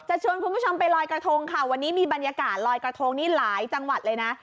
ชวนคุณผู้ชมไปลอยกระทงค่ะวันนี้มีบรรยากาศลอยกระทงนี่หลายจังหวัดเลยนะ